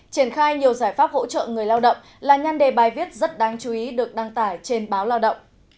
triển khai nhiều giải pháp hỗ trợ người lao động là nhan đề bài viết rất đáng chú ý được đăng tải trên báo lao động